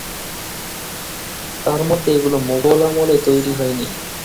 তার মতে, এগুলো মোগল আমলে তৈরি হয়নি।